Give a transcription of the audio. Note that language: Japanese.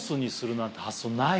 ない。